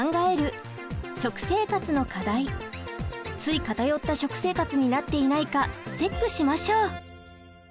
つい偏った食生活になっていないかチェックしましょう。